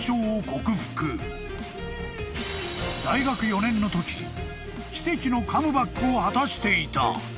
［大学４年のとき奇跡のカムバックを果たしていた］